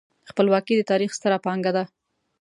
خپلواکي د تاریخ ستره پانګه ده.